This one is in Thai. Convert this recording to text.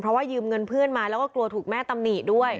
เพราะว่ายืมเงินเพื่อนมาแล้วก็กลัวถูกแม่ตำหนิด้วย